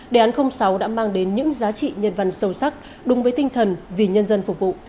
đề án sáu đã mang đến những giá trị nhân văn sâu sắc đúng với tinh thần vì nhân dân phục vụ